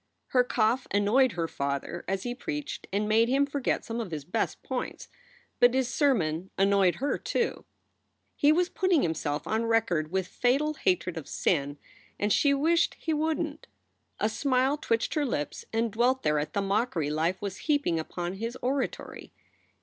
Her cough annoyed her father as he preached and made him forget some of his best points. But his sermon an noyed her, too. He was putting himself on record with fatal hatred of sin, and she wished he wouldn t. A smile twitched her lips and dwelt there at the mockery life was heaping upon his oratory.